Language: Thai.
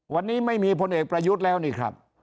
วันนี้ไม่มีพลเอกประยุทธ์แล้วนี่ครับ